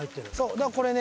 だからこれね